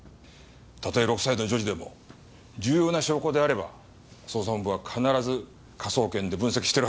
たとえ６歳の女児でも重要な証拠であれば捜査本部は必ず科捜研で分析してるはずです！